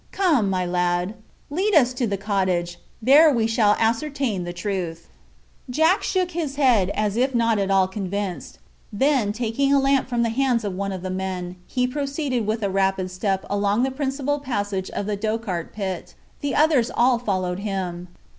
"Come, my lad, lead us to the cottage. There we shall ascertain the truth." Jack Ryan shook his head, as if not at all convinced. Then, taking a lamp from the hands of one of the men, he proceeded with a rapid step along the principal passage of the Dochart pit. The others all followed him.